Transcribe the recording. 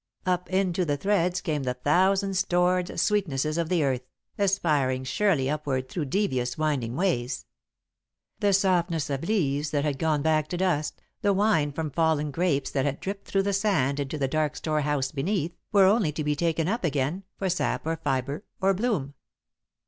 Up into the threads came the thousand stored sweetnesses of the earth, aspiring surely upward through devious, winding ways. The softness of leaves that had gone back to dust, the wine from fallen grapes that had dripped through the sand into the dark storehouse beneath, were only to be taken up again, for sap or fibre or bloom.